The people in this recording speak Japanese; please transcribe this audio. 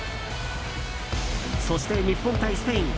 そして、日本対スペイン。